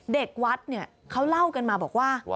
เด็กวัดเนี่ยเขาเล่ากันมาบอกว่า